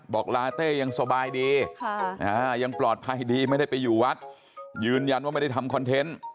บอกลาเต้ยังสบายดียังปลอดภัยดีไม่ได้ไปอยู่วัดยืนยันว่าไม่ได้ทำคอนเทนต์